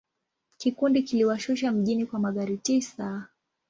Kikundi kiliwashusha mjini kwa magari tisa.